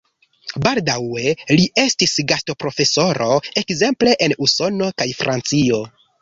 Baldaŭe li estis gastoprofesoro ekzemple en Usono kaj Francio.